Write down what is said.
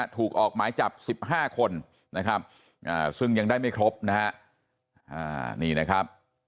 ถูกออกหมายจับ๑๕คนนะครับซึ่งยังได้ไม่ครบนะฮะนี่นะครับ